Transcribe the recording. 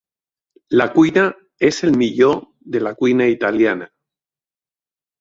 La cuina és el millor de la cuina italiana.